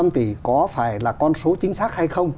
bốn trăm linh tỷ có phải là con số chính xác hay không